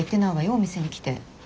お店に来て。